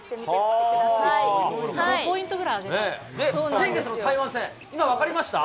先月の台湾戦、今、分かりました？